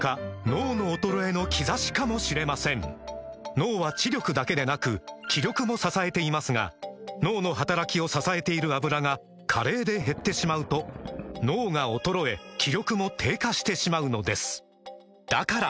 脳の衰えの兆しかもしれません脳は知力だけでなく気力も支えていますが脳の働きを支えている「アブラ」が加齢で減ってしまうと脳が衰え気力も低下してしまうのですだから！